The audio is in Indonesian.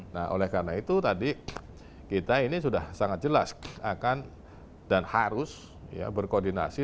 nah oleh karena itu tadi kita ini sudah sangat jelas akan dan harus berkoordinasi